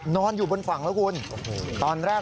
นอนอยู่บนฝั่งนะครู